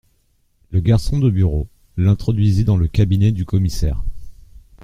Le garçon de bureau l'introduisit dans le cabinet du commissaire.